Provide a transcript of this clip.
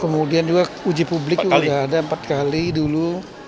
kemudian juga uji publik sudah ada empat kali dulu